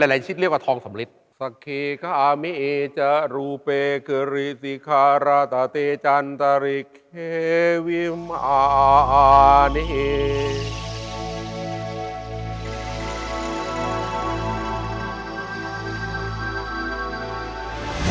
คือรวมกันหลายชิ้นเรียกว่าทองสำริด